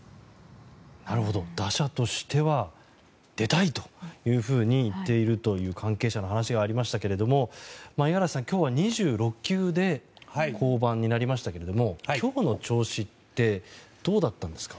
打者としては出たいというふうに言っているという関係者の話がありましたが五十嵐さん、今日は２６球で降板となりましたけれども今日の調子ってどうだったんですか？